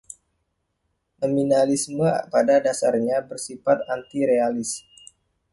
Nominalisme pada dasarnya bersifat anti-Realis.